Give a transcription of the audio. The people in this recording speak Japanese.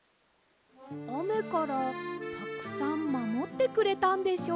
あめからたくさんまもってくれたんでしょうか？